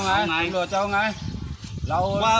มันไม่ถึงความปลอดภัย